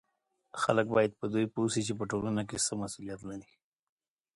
خلک باید په دې پوه سي چې په ټولنه کې څه مسولیت لري